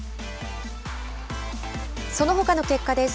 そのほかの結果です。